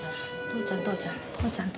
父ちゃん父ちゃん」。